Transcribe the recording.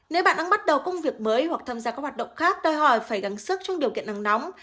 nếu bạn đang bắt đầu công việc mới hoặc tham gia các hoạt động khác đòi hỏi phải gắn sức trong điều kiện nắng nóng